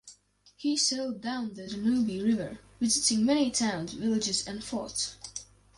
He sailed down the Danube river, visiting many towns, villages and forts.